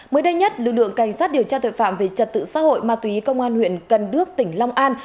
mới đây nhất lực lượng cảnh sát điều tra tội phạm về trật tự xã hội ma túy công an huyện cần đước tỉnh long an